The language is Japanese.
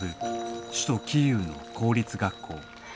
首都キーウの公立学校。